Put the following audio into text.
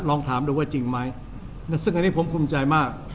ลองถามดูว่าจริงไหมซึ่งอันนี้ผมภูมิใจมาก